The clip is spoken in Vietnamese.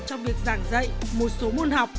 trong việc giảng dạy một số môn học